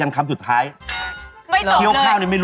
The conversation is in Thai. อื้มน้ำปลาไหลใส่สังเกตเป็นแบบนี้เองอ่ะอื้มน้ำปลาไหล